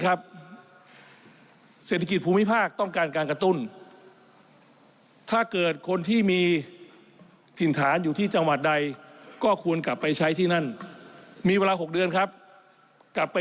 คุณเสถาเขายังยืนยันว่ายังมีอยู่เดี๋ยวลองฟังค่ะ